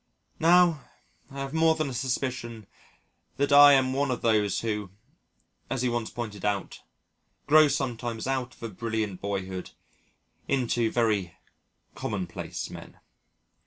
Now I have more than a suspicion that I am one of those who, as he once pointed out, grow sometimes out of a brilliant boyhood into very commonplace men.